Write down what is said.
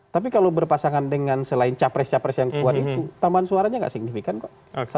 tapi kalau berpasangan dengan selain capres capres yang kuat itu tambahan suaranya nggak signifikan kok